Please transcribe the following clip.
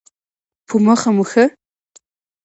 په مخه مو ښه؟